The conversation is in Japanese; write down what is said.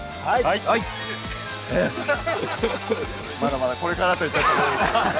はいまだまだこれからといったところですもんね